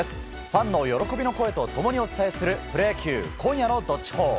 ファンの喜びの声と共にお伝えするプロ野球今夜の「＃どっちほー」。